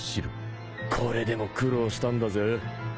これでも苦労したんだぜ。